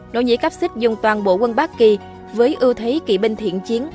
nội nhị cáp xích dùng toàn bộ quân bác kỳ với ưu thế kỵ binh thiện chiến